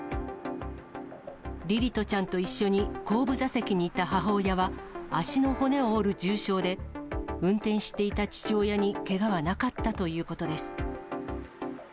凛々斗ちゃんと一緒に後部座席にいた母親は、足の骨を折る重傷で、運転していた父親にけがはなかったということです。